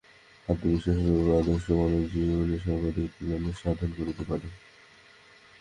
আত্মবিশ্বাসস্বরূপ আদর্শই মানবজাতির সর্বাধিক কল্যাণ সাধন করিতে পারে।